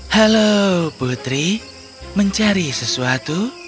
halo putri mencari sesuatu